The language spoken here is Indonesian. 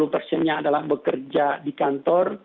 lima puluh persennya adalah bekerja di kantor